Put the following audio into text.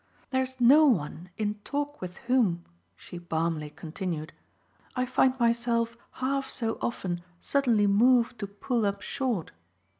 There's no one in talk with whom," she balmily continued, "I find myself half so often suddenly moved to pull up short.